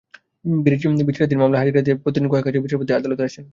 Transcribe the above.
বিচারাধীন পুরোনো মামলায় হাজিরা দিতে প্রতিদিন কয়েক হাজার বিচারপ্রার্থী আদালতে আসেন।